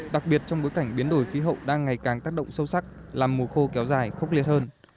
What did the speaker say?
đặc biệt trong bối cảnh biến đổi khí hậu đang ngày càng tác động sâu sắc làm mùa khô kéo dài khốc liệt hơn